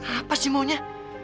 apa sih maunya